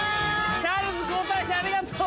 チャールズ皇太子ありがとう。